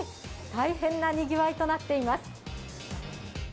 大変なにぎわいとなっています。